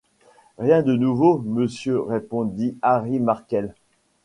Rien de nouveau, monsieur, répondit Harry Markel.